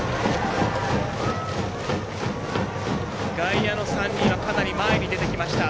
外野の３人はかなり前に出てきました。